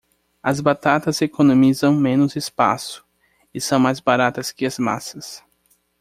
As batatas economizam menos espaço e são mais baratas que as massas.